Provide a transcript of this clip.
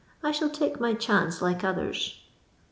I shall take my chance like others."